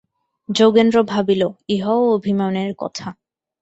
যোগেন্দ্র ভাবিল, ইহাও অভিমানের কথা।